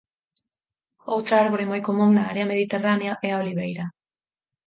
Outra árbore moi común na área mediterránea é a oliveira.